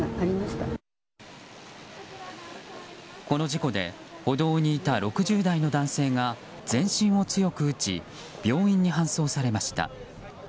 この事故で歩道にいた６０代の男性が全身を強く打ち病院に搬送されました。